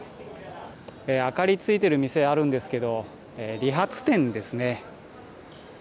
明かりついてる店あるんですけど理髪店ですね。